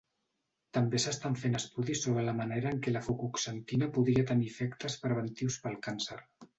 També s'estan fent estudis sobre la manera en què la fucoxantina podria tenir efectes preventius pel càncer.